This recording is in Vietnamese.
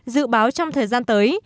dự báo trong thời gian tới